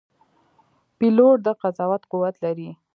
پیلوټ د قضاوت قوت لري.